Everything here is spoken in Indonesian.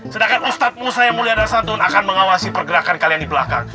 sedangkan ustadz nustaimulia dan santun akan mengawasi pergerakan kalian di belakang